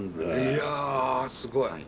いやすごい！